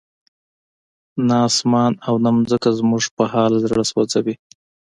نه اسمان او نه ځمکه زموږ په حال زړه سوځوي.